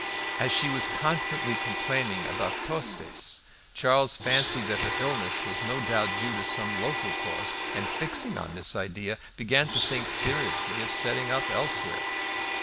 As she was constantly complaining about Tostes, Charles fancied that her illness was no doubt due to some local cause, and fixing on this idea, began to think seriously of setting up elsewhere.